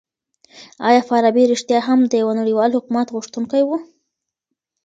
آیا فارابي رښتيا هم د يوه نړيوال حکومت غوښتونکی و؟